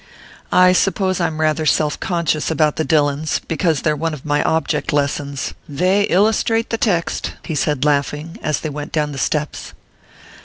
"I suppose I'm rather self conscious about the Dillons, because they're one of my object lessons they illustrate the text," he said laughing, as they went down the steps.